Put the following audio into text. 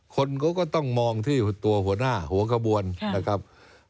คนเขาก็ต้องมองที่ตัวหัวหน้าหัวกระบวนนะครับ